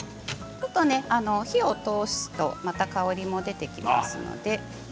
ちょっと火を通すとまた香りも出てきます。